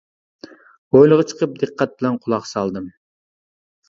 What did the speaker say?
ھويلىغا چىقىپ دىققەت بىلەن قۇلاق سالدىم.